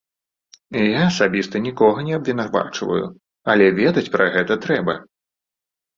Я асабіста нікога не абвінавачваю, але ведаць пра гэта трэба.